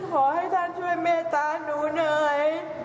ขอให้ท่านช่วยเมตตาหนูหน่อย